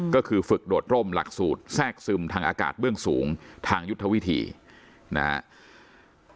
ก็คือฝึกโดดร่มหลักสูตรแทรกซึมทางอากาศเบื้องสูงทางยุทธวิธีนะครับ